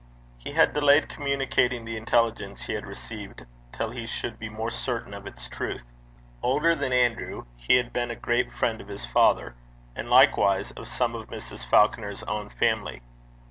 He had delayed communicating the intelligence he had received till he should be more certain of its truth. Older than Andrew, he had been a great friend of his father, and likewise of some of Mrs. Falconer's own family.